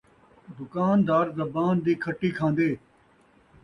دکان دار زبان دی کھٹی کھان٘دے